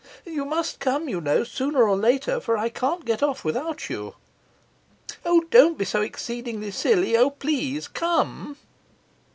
you must come, you know, sooner or later, for I can't get off without you. O, don't be so exceedingly silly! O, please, come!